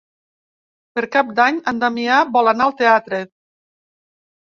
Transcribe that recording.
Per Cap d'Any en Damià vol anar al teatre.